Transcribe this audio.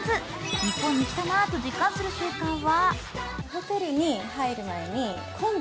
日本に来たなぁと実感する瞬間は？